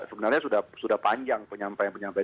sebenarnya sudah panjang penyampaian penyampaian